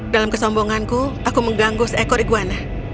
dalam kesombonganku aku mengganggu seekor iguana